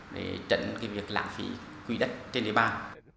để trận việc lãng phí nhà đầu tư trên địa bàn